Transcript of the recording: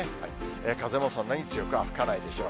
風もそんなに強くは吹かないでしょう。